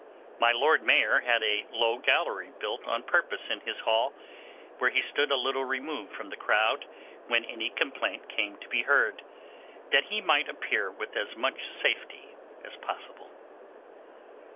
My Lord Mayor had a low gallery built on purpose in his hall, where he stood a little removed from the crowd when any complaint came to be heard, that he might appear with as much safety as possible.